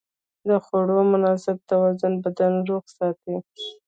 د خوړو مناسب توازن بدن روغ ساتي.